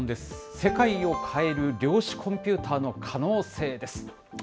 世界を変える量子コンピューターの可能性です。